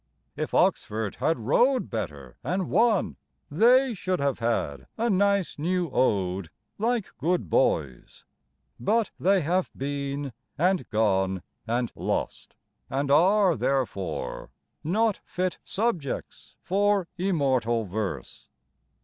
If Oxford had rowed better And won, They should have had a nice new ode, Like good boys; But they have been and gone and lost, And are, therefore, Not fit subjects For immortal verse.